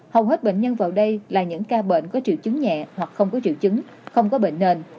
hầu hết bệnh nhân vào đây là những ca bệnh có triệu chứng nhẹ hoặc không có triệu chứng không có bệnh nền